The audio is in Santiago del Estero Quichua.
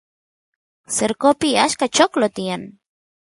cercopi achka choclo tiyan